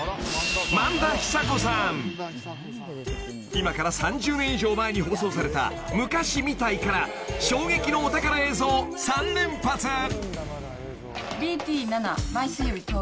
［今から３０年以上前に放送された『昔みたい』から衝撃のお宝映像３連発］ええ。